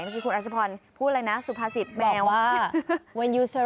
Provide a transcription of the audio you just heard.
เมื่อกี้คุณอาจารย์พรพูดอะไรนะสุภาษิตแมว